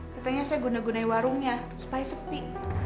katanya saya guna gunai warungnya supaya sepi